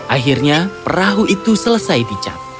akhirnya perahu itu selesai dicat